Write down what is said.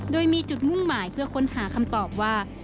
โดยมีจุดมุ่งหมายเพื่อค้นหาคำตอบว่า